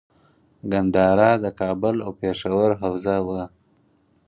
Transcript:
ګندهارا د کابل او پیښور حوزه وه